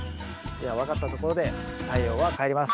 では分かったところで太陽は帰ります。